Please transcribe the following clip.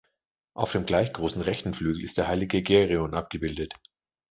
Auf dem gleich großen rechten Flügel ist der Heilige Gereon abgebildet.